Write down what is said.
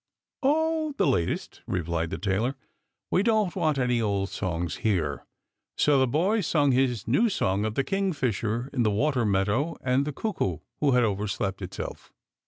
Oh ! the latest," replied the tailor. " We don't want any old songs here." So the boy sung his new song of the kingfisher in the water meadow and the cuckoo who had over slept itself.